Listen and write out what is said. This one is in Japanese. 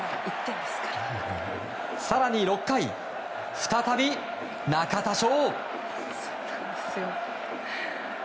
更に６回、再び中田翔。